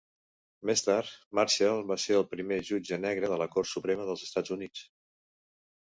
Més tard, Marshall va ser el primer jutge negre de la cort suprema dels Estats Units.